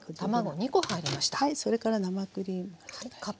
それから生クリーム。